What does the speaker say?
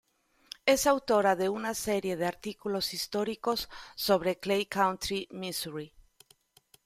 Es autora de una serie de artículos históricos sobre Clay County, Misuri.